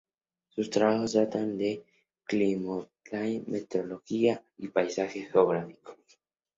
Sus trabajos tratan de Climatología, Meteorología y Paisaje Geográfico.